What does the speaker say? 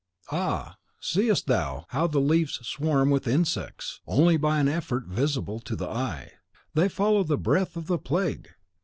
Ah, seest thou how the leaves swarm with insects, only by an effort visible to the eye. They follow the breath of the plague!"